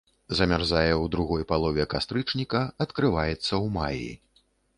Замярзае ў другой палове кастрычніка, адкрываецца ў маі.